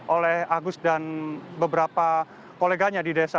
oleh agus dan beberapa koleganya di desa